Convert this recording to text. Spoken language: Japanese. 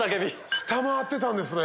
下回ってたんですね。